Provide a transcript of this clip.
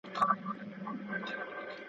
لس پنځلس ورځي وروسته وه جشنونه .